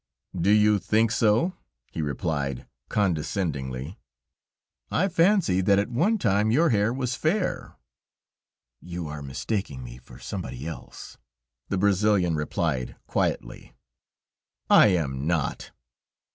"Do you think so?" he replied, condescendingly. "I fancy that at one time your hair was fair." "You are mistaking me for somebody else," the Brazilian replied, quietly. "I am not."